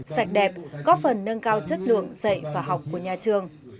sạch đẹp có phần nâng cao chất lượng dạy và học của nhà trường